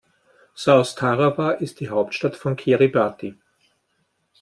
South Tarawa ist die Hauptstadt von Kiribati.